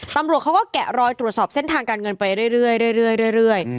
ตำรวจเขาก็แกะรอยตรวจสอบเส้นทางการเงินไปเรื่อย